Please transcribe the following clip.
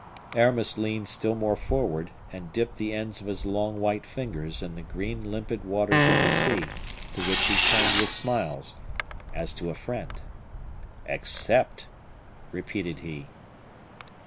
Aramis leaned still more forward, and dipped the ends of his long white fingers in the green limpid waters of the sea, to which he turned with smiles as to a friend. "Accept!" repeated he.